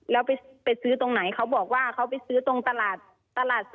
แล้วไปซื้อตรงไหนเขาบอกว่าเขาไปซื้อตรงตลาดตลาด